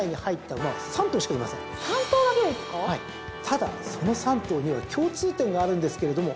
ただその３頭には共通点があるんですけれども。